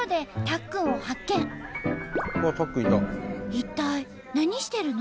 一体何してるの？